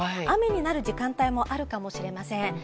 雨になる時間帯もあるかもしれません。